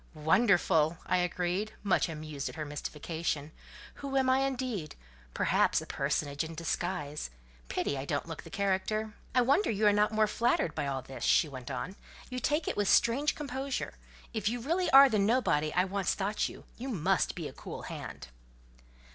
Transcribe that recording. "Wonderful!" I agreed, much amused at her mystification. "Who am I indeed? Perhaps a personage in disguise. Pity I don't look the character." "I wonder you are not more flattered by all this," she went on; "you take it with strange composure. If you really are the nobody I once thought you, you must be a cool hand."